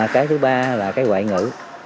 cái thứ ba là cái ngoại ngữ